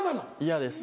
嫌です。